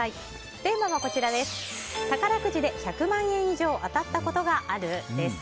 テーマは宝くじで１００万円以上当たったことがあるです。